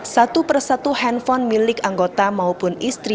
satu persatu handphone milik anggota maupun istri